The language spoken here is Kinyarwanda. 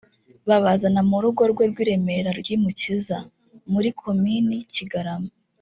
babazana mu rugo rwe rw’i Remera ry’i Mukiza (muri komini Kigarama